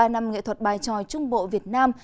ba năm nghệ thuật bài tròi trung bộ việt nam